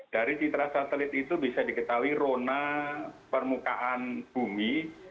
dari citra satelit itu bisa diketahui rona permukaan bumi